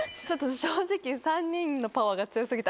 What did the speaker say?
正直３人のパワーが強過ぎて。